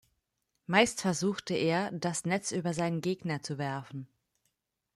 Meist versuchte er, das Netz über seinen Gegner zu werfen.